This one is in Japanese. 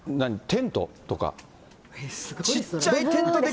テントとか？